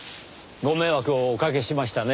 ご迷惑をおかけしましたね。